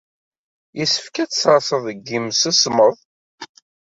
Yessefk ad t-sserseɣ deg yimsismeḍ?